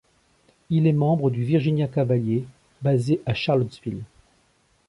Il est membre du Virginia Cavaliers, basé à Charlottesville.